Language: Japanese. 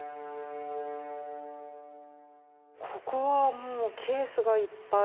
ここはもうケースがいっぱい。